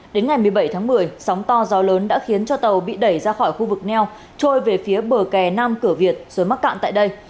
đến ngày một mươi bảy tháng một mươi sóng to gió lớn đã khiến cho tàu bị đẩy ra khỏi khu vực neo trôi về phía bờ kè nam cửa việt rồi mắc cạn tại đây